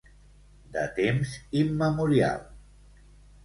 De temps immemorial.